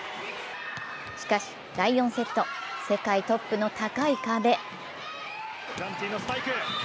しかし、第４セット、世界トップの高い壁。